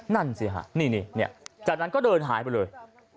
นั่นสิฮะนี่จากนั้นก็เดินหายไปเลย